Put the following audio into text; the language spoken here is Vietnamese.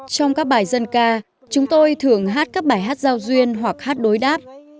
trong các bài dân ca chúng tôi thường hát các bài hát giao duyên hoặc hát đối đáp